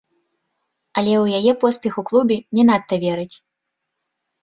Але ў яе поспех у клубе не надта вераць.